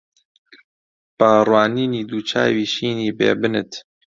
بە ڕوانینی دوو چاوی شینی بێ بنت